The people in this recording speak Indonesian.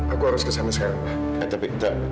aku harus ke sana sekarang pak